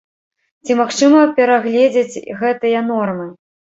Ці магчыма перагледзець гэтыя нормы?